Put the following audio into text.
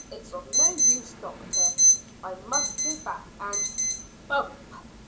"It's of no use, doctor. I must go back and " Bump!